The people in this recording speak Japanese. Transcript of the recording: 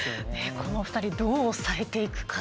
この２人をどう抑えていくか。